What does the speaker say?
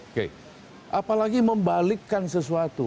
oke apalagi membalikkan sesuatu